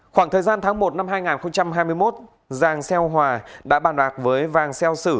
khoảng thời gian tháng một năm hai nghìn hai mươi một giàng xeo hòa đã bàn bạc với vàng xeo sử